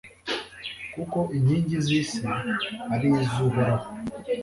kuko inkingi z'isi ari iz'uhoraho